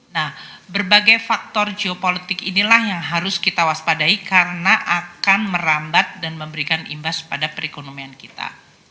nah berbagai faktor geopolitik inilah yang harus kita waspadai karena akan merambat dan memberikan imbas pada perekonomian kita